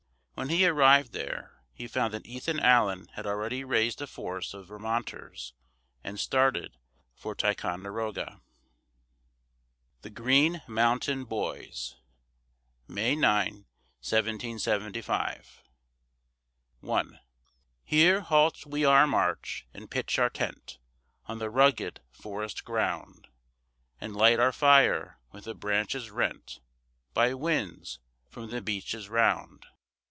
When he arrived there, he found that Ethan Allen had already raised a force of Vermonters and started for Ticonderoga. THE GREEN MOUNTAIN BOYS [May 9, 1775] I Here halt we our march, and pitch our tent On the rugged forest ground, And light our fire with the branches rent By winds from the beeches round.